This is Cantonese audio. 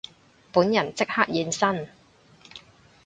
本人即刻現身